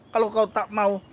kalau kau tak mau